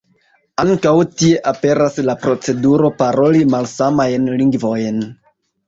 Ankaŭ tie aperas la proceduro paroli malsamajn lingvojn.